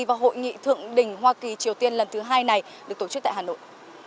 vâng đỉnh hoa kỳ triều tiên lần thứ hai này được tổ chức tại hà nội